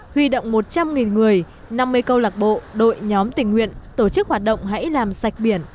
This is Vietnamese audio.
huy động một trăm linh người năm mươi câu lạc bộ đội nhóm tình nguyện tổ chức hoạt động hãy làm sạch biển